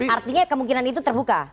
artinya kemungkinan itu terbuka